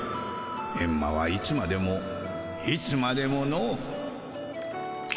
エンマはいつまでもいつまでもの」。